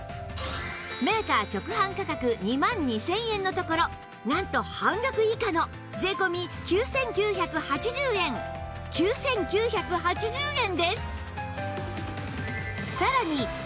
メーカー直販価格２万２０００円のところなんと半額以下の税込９９８０円９９８０円です！